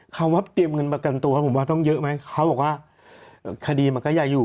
คำว่าเตรียมเงินประกันตัวผมว่าต้องเยอะไหมเขาบอกว่าคดีมันก็อย่าอยู่